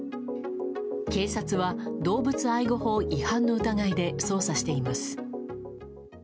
警察は動物愛護法違反の疑いで捜査しています。